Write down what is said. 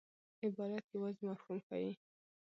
عبارت یوازي مفهوم ښيي.